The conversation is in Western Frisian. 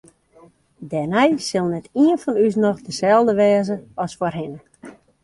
Dêrnei sil net ien fan ús noch deselde wêze as foarhinne.